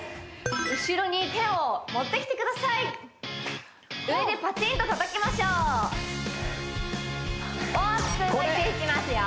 後ろに手を持ってきてください上でパチンとたたきましょう大きく動いていきますよ